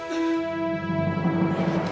gantung bapak umi